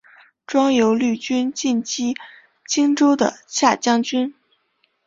庄尤率军进击荆州的下江军。